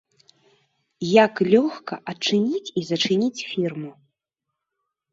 Як лёгка адчыніць і зачыніць фірму.